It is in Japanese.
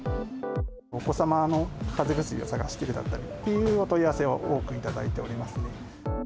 お子様のかぜ薬を探しているだったりというお問い合わせを多くいただいておりますね。